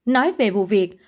nói về vụ việc